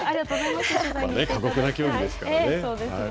過酷な競技ですからね。